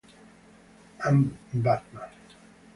I'm batman.